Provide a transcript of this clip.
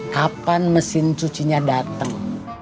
kapan mesin cucinya dateng